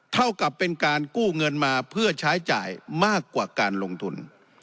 เท่ากับเป็นการกู้เงินมาเพื่อใช้จ่ายมากกว่าการลงทุน